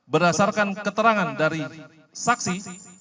berdasarkan keterangan dari saksi